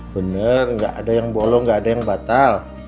bener gak ada yang bolong gak ada yang batal